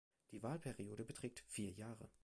Die Wahlperiode beträgt vier Jahre.